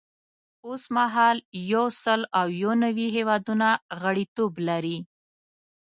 اوس مهال یو سل او یو نوي هیوادونه غړیتوب لري.